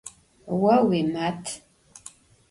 Vo vuimat.